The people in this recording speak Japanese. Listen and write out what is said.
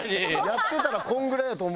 やってたらこんぐらいやと思うよ。